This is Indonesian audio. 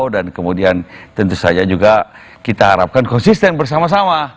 dan kemudian tentu saja juga kita harapkan konsisten bersama sama